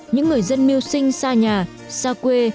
những người dân mưu sinh xa nhà xa quê